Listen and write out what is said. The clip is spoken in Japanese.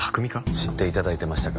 知って頂いてましたか。